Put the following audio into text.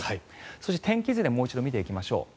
そして天気図でもう一度見ていきましょう。